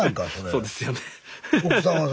そうですよね。